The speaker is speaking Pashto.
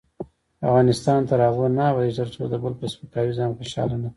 افغانستان تر هغو نه ابادیږي، ترڅو د بل په سپکاوي ځان خوشحاله نکړو.